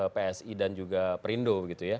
psi dan juga perindo